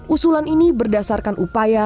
usulan ini berdasarkan upaya